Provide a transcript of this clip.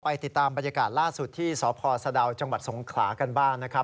ติดตามบรรยากาศล่าสุดที่สพสะดาวจังหวัดสงขลากันบ้างนะครับ